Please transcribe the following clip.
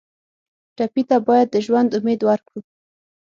ټپي ته باید د ژوند امید ورکړو.